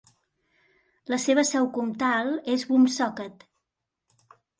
La seva seu comtal és Woonsocket.